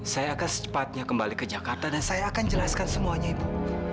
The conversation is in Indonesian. saya akan secepatnya kembali ke jakarta dan saya akan jelaskan semuanya ibu